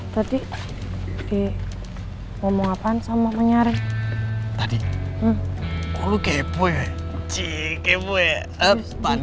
setelah suatu wisata di kota somba